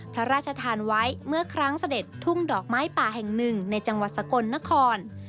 พระราชทานไว้เมื่อครั้งเสด็จทุ่งดอกไม้ป่าแห่งหนึ่งในจังหวัดสกลนคร